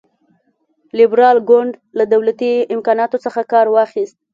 لېبرال ګوند له دولتي امکاناتو څخه کار واخیست.